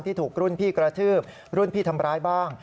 ที่ถูกรุ่นพี่กระทืบรุ่นพี่ทำร้ายบ้าง